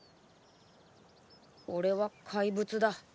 俺は怪物だ。